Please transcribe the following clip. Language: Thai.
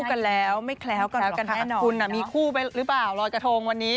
คู่กันแล้วไม่แคล้วกันหรอกค่ะคุณมีคู่ไปหรือเปล่ารอยกระทงวันนี้